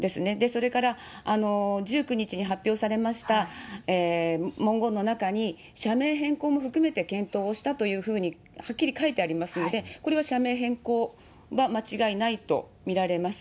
それから、１９日に発表されました、文言の中に、社名変更も含めて検討をしたというふうに、はっきり書いてありますので、これは社名変更は間違いないと見られます。